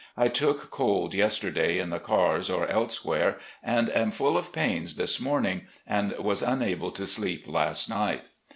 I took cold yesterday in the cars or elsewhere and am full of pains this morning, and was unable to sleep last night.